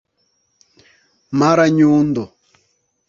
Maranyundo